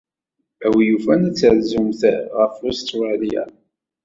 A win yufan ad terzumt ɣef Ustṛalya.